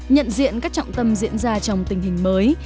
nhận diện các trọng tâm diễn ra trong tình hình mới